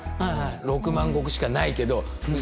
６万石しかないけどうち